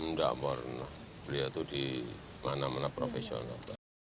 tidak pernah beliau itu di mana mana profesional